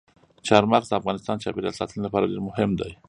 چار مغز د افغانستان د چاپیریال ساتنې لپاره ډېر مهم دي.